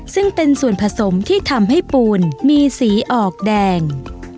ซึ่งเป็นส่วนผสมที่ทำให้ปูนมีสีออกแดง